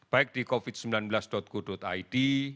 baik di covid sembilan belas go id